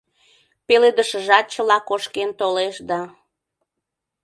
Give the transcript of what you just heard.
Пеледышыжат чыла кошкен толеш да...